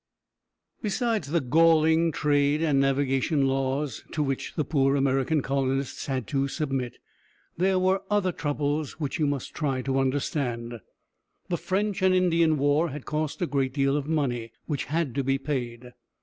Besides the galling trade and navigation laws to which the poor American colonists had to submit, there were other troubles which you must try to understand. The French and Indian War had cost a great deal of money, which had to be paid.